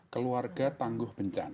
keluarga tangguh bencana